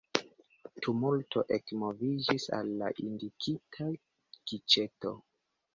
Tumulto ekmoviĝis al la indikita giĉeto.